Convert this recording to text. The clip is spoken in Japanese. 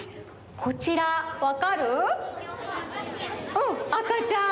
うん赤ちゃん。